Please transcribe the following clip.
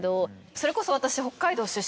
それこそ。